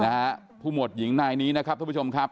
นะฮะผู้หมวดหญิงนายนี้นะครับทุกผู้ชมครับ